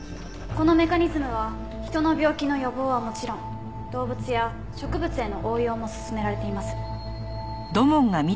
このメカニズムはヒトの病気の予防はもちろん動物や植物への応用も進められています。